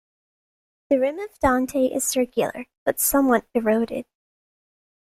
The rim of Dante is circular but somewhat eroded.